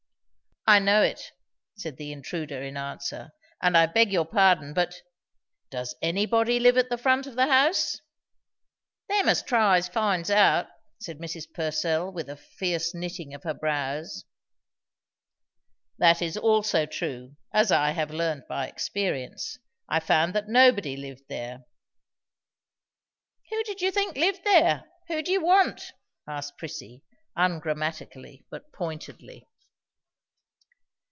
"I know it," said the intruder in answer, "and I beg your pardon; but Does anybody live at the front of the house? "Them as tries, finds out," said Mrs. Purcell, with a fierce knitting of her brows. "That is also true, as I have learned by experience. I found that nobody lived there." "Who did you think lived there? Who do you want?" asked Prissy, ungrammatically, but pointedly.